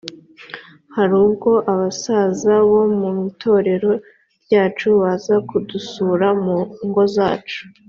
hari ubwo abasaza bo mu itorero ryacu baza kudusura mu ngo zacu.